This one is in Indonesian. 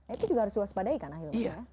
itu juga harus diwaspadai kan akhirnya